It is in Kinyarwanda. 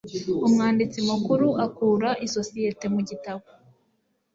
umwanditsi mukuru akura isosiyete mu gitabo